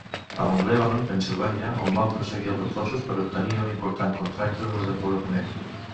A Mt. Lebanon, Pennsilvània, on van prosseguir els esforços per obtenir un important contracte de desenvolupament.